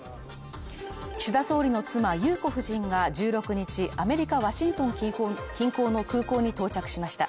岸田総理の妻裕子夫人が１６日、アメリカワシントン近郊の近郊の空港に到着しました。